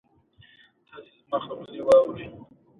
دښمن تل د بدو افکارو لاروي وي